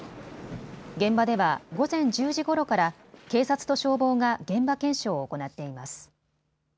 現場では午前１０時ごろから警察と消防が現場検証を行っています。